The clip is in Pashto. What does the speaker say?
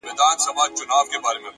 هره پوښتنه د کشف نوی سفر دی